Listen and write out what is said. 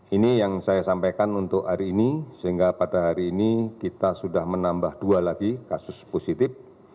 ini yang saya sampaikan untuk hari ini sehingga pada hari ini kita sudah menambah dua lagi kasus positif